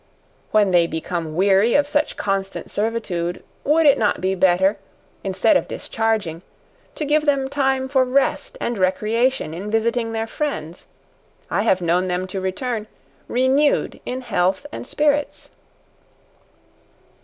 When they become weary of such constant servitude, would it not be better, instead of discharging, to give them time for rest and recreation in visiting their friends? I have known them to return, renewed in health and spirits.